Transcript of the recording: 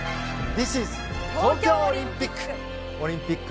２人：『東京オリンピック』。